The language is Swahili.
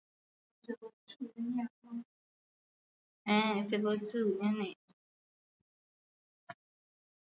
Sehemu hii inafafanua magonjwa yanayosababisha vidonda kwenye midomo na miguuni ugonjwa huu huathiri wanyama